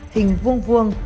hình vuông vuông